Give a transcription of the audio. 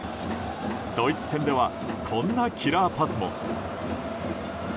ドイツ戦ではこんなキラーパスも。